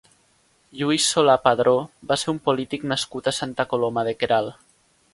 Lluís Solà Padró va ser un polític nascut a Santa Coloma de Queralt.